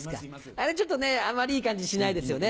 あれちょっとあまりいい感じしないですよね。